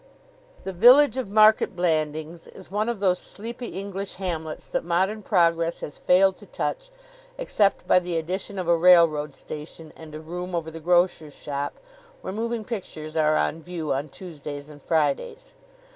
The village of Market Blandings is one of those sleepy English hamlets that modern progress has failed to touch; except by the addition of a railroad station and a room over the grocer's shop where moving pictures are on view on Tuesdays and Fridays.